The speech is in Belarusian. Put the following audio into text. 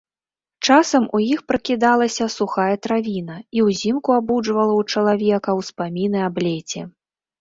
Часам у іх пракідалася сухая травіна і ўзімку абуджвала ў чалавека ўспаміны аб леце.